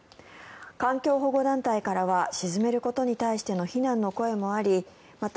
環境保護団体からは沈めることに対しての非難の声もありまた